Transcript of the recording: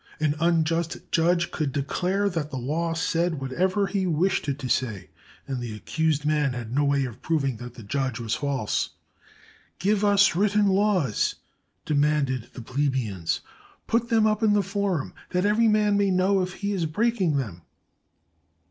An unjust judge could declare that the law said whatever he wished it to say, and the accused man had no way of proving that the 29s ROME judge was false. " Give us written laws," demanded the plebeians. "Put them up in the forum, that every man may know if he is breaking them."